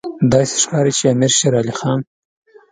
داسې ښکاري چې امیر شېر علي خان.